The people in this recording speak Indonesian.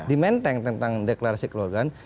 dimenteng tentang deklarasi kekeluargaan